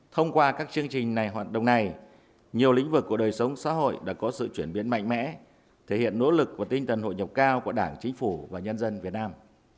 thông qua các chương trình này hoạt động này nhiều lĩnh vực của đời sống xã hội đã có sự chuyển biến mạnh mẽ thể hiện nỗ lực và tinh thần hội nhập cao của đảng chính phủ và nhân dân việt nam